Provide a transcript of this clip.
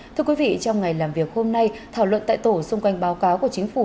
thưa quý vị trong ngày làm việc hôm nay thảo luận tại tổ xung quanh báo cáo của chính phủ